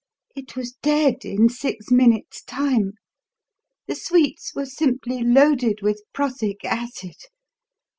It was dead in six minutes' time! The sweets were simply loaded with prussic acid.